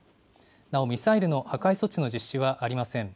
なおミサイルの破壊措置の実施はありません。